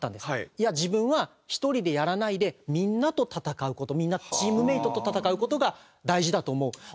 いや自分は１人でやらないでみんなと戦う事チームメートと戦う事が大事だと思う。